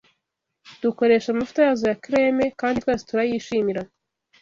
Dukoresha amavuta yazo ya kereme, kandi twese turayishimira.